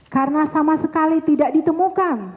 karena sama sekali tidak ditemukan